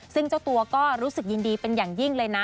ซึ่งเจ้าตัวก็รู้สึกยินดีเป็นอย่างยิ่งเลยนะ